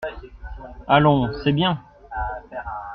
Allons, c’est bien !